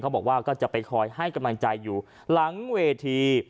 บอกว่าก็จะไปคอยให้กำลังใจอยู่หลังเวที